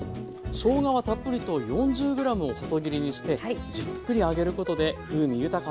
しょうがはたっぷりと４０ｇを細切りにしてじっくり揚げることで風味豊かなオイルになります。